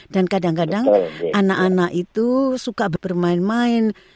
dan kadang kadang anak anak itu suka bermain main